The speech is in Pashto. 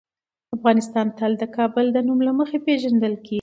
افغانستان تل د کابل د نوم له مخې پېژندل کېږي.